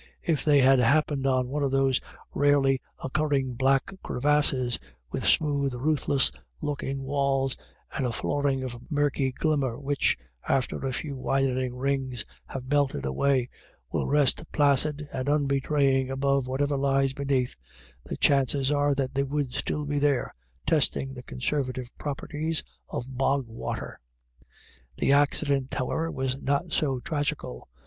If they had happened on one of those not rarely GOT THE BETTER OF. 131 occurring black crevasses, with smooth, ruthless looking walls and a flooring of mirky glimmer which, after a few widening rings have melted away, will rest placid and unbetraying above what ever lies beneath, the chances are that they would still be there, testing the conservative properties of bog water. The accident, however, was not so tragical.